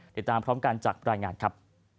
ติดตามพร้อมกันจากรายงานครับ